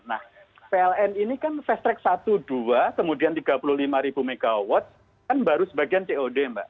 nah pln ini kan fast track satu dua kemudian tiga puluh lima ribu megawatt kan baru sebagian cod mbak